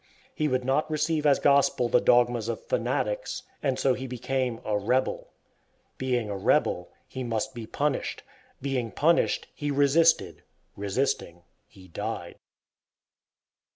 He would not receive as gospel the dogmas of fanatics, and so he became a "rebel." Being a rebel, he must be punished. Being punished, he resisted. Resisting, he died.